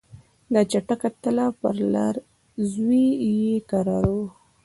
دا چټکه تله پر لار زوی یې کرار وو